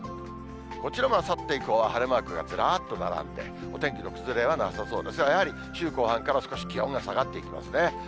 こちらもあさって以降は晴れマークがずらっと並んで、お天気の崩れはなさそうですが、やはり、週後半から少し気温が下がってきますね。